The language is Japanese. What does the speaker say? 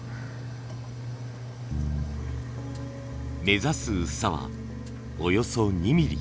目指す薄さはおよそ２ミリ。